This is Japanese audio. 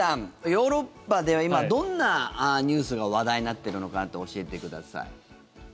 ヨーロッパでは今どんなニュースが話題になっているのか教えてください。